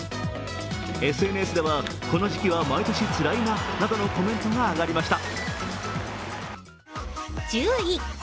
ＳＮＳでは、この時期は毎年つらいななどのコメントが上がりました。